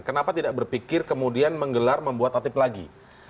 kenapa tidak berpikir kemudian menggelar membuat tatip lagi